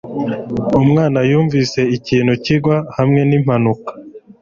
Umwana yumvise ikintu kigwa hamwe nimpanuka